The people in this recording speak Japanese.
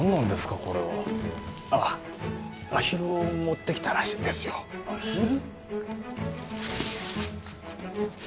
これはああアヒルを持ってきたらしいんですよアヒル？